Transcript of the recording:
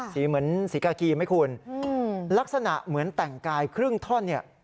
เหมือนสีกากีไหมคุณลักษณะเหมือนแต่งกายครึ่งท่อนเนี่ย